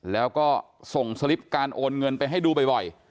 แล้วก็ส่งสลิปการโอนเงินไปให้ดูบ่อย